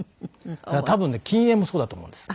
だから多分ね禁煙もそうだと思うんです。